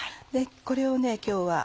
これを今日は。